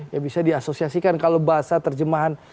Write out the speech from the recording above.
ya bisa diasosiasikan kalau bahasa terjemahan